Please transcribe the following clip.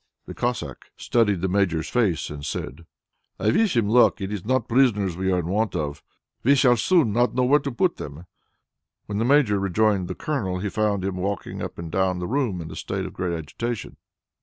The Cossack studied the Major's face and said, "I wish him luck. It is not prisoners we are in want of. We shall soon not know where to put them." When the Major rejoined the Colonel, he found him walking up and down the room in a state of great agitation.